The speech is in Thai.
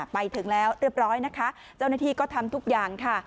ไปถึงแล้วเรียบร้อยนะคะเจ้าหน้าที่ก็ทำทุกอย่างค่ะ